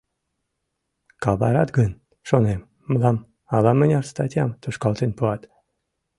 Каварат гын, шонем, мылам ала-мыняр статьям тушкалтен пуат.